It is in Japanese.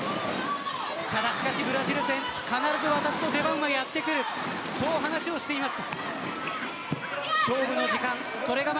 ただ、しかしブラジル戦必ず私の出番がやってくるそう話をしています。